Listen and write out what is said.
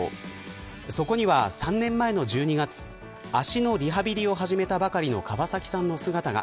そこには３年前の１２月足のリハビリを始めたばかりの川崎さんの姿が。